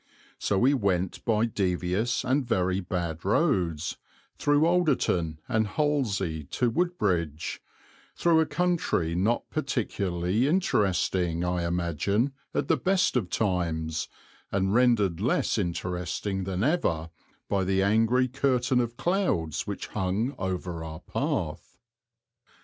So we went by devious and very bad roads, through Alderton and Hollesley to Woodbridge, through a country not particularly interesting, I imagine, at the best of times, and rendered less interesting than ever by the angry curtain of clouds which hung over our path.